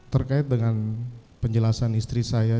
terkait dengan penjelasan istri saya